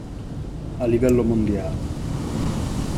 A livello mondiale.